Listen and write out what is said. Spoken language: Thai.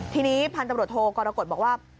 ทีนี้พันธบรรทโทษกรโรโกรธบอกว่า